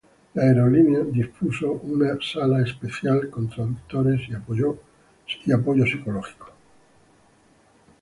La aerolínea dispuso una sala especial con traductores y apoyo psicológico.